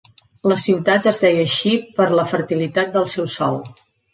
La ciutat es deia així per la fertilitat del seu sòl.